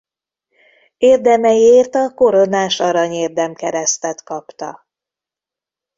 Érdemeiért a koronás arany érdemkeresztet kapta.